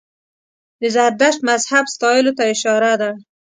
د زردشت مذهب ستایلو ته اشاره ده.